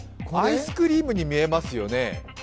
アイスクリームに見えますよね。